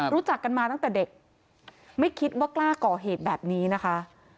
รู้จักกันมาตั้งแต่เด็กไม่คิดว่ากล้าก่อเหตุแบบนี้นะคะ